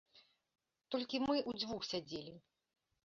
Толькі мы ўдзвюх сядзелі.